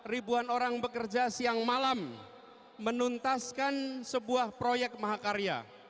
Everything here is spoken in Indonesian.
ribuan orang bekerja siang malam menuntaskan sebuah proyek mahakarya